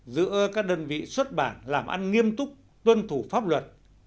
giữa các đơn vị xuất bản làm ăn nghiêm túc tuân thủ pháp luật